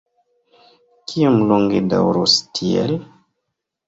Kiom longe daŭros tiel?